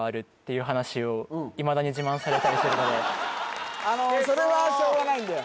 一度あのそれはしょうがないんだよ